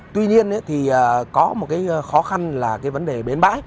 tuy nhiên có một khó khăn là vấn đề bến bãi